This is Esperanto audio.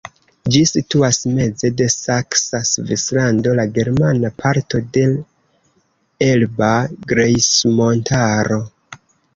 Ĝi situas meze de Saksa Svislando, la germana parto de Elba Grejsmontaro.